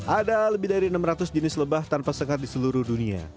ada lebih dari enam ratus jenis lebah tanpa sengat di seluruh dunia